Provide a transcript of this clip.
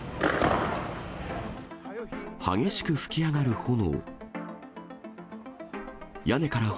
激しく噴き上がる炎。